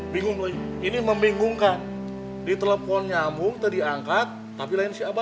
bingung bingung di telepon nyamuk tadi angkat tapi